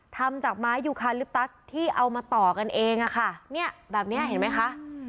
ทำจากไม้ยูคาลิปตัสที่เอามาต่อกันเองอะค่ะเนี่ยแบบเนี้ยเห็นไหมคะ